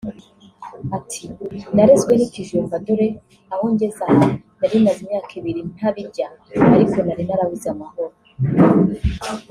Ati “Narezwe n’ikijumba dore aho ngeze aha nari maze imyaka ibiri nta birya ariko nari narabuze amahoro